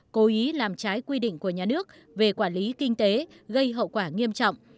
cố ý làm trái quy định của nhà nước về quản lý kinh tế gây hậu quả nghiêm trọng